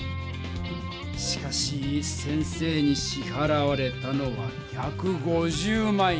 しかし先生にしはらわれたのは１５０万円。